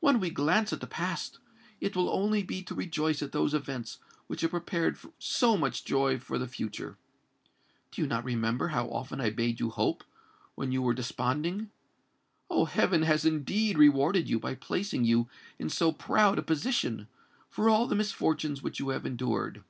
When we glance at the past, it will only be to rejoice at those events which have prepared so much joy for the future. Do you not remember how often I bade you hope, when you were desponding? Oh! heaven has indeed rewarded you, by placing you in so proud a position, for all the misfortunes which you have endured."